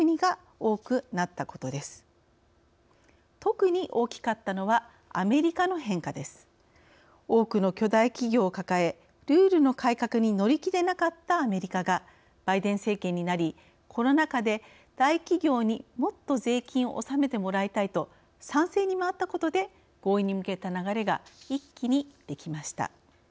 多くの巨大企業を抱えルールの改革に乗り気でなかったアメリカがバイデン政権になりコロナ禍で大企業にもっと税金を納めてもらいたいと賛成に回ったことで合意に向けた流れが一気にできました。